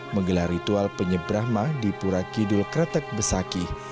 menggelar ritual penyep brahma di pura kiduling kretek besakih